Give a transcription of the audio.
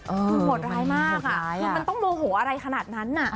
คือโหดร้ายมากคือมันต้องโมโหอะไรขนาดนั้นน่ะ